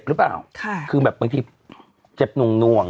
เราก็มีความหวังอะ